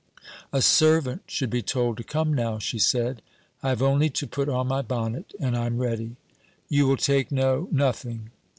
'A servant should be told to come now,' she said. 'I have only to put on my bonnet and I am ready.' 'You will take no...?' 'Nothing.'